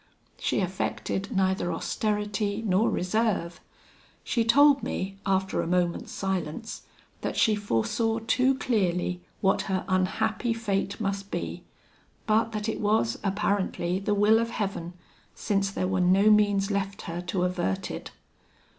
She affected neither austerity nor reserve. She told me, after a moment's silence, that she foresaw too clearly, what her unhappy fate must be; but that it was, apparently, the will of Heaven, since there were no means left her to avert it.